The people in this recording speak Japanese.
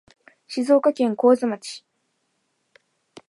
静岡県河津町